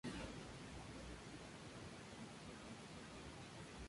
Es miembro del Consejo director de la Asociación de Televisión Educativa Iberoamericana.